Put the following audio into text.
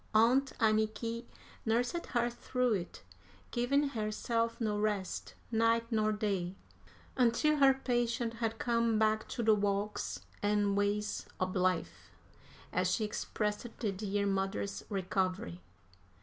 Aunt Anniky nursed her through it, giving herself no rest, night nor day, until her patient had come "back to de walks an' ways ob life," as she expressed the dear mother's recovery.